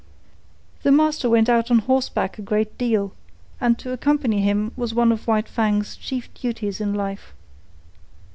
The master went out on horseback a great deal, and to accompany him was one of White Fang's chief duties in life.